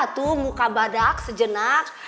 tuh muka badak sejenak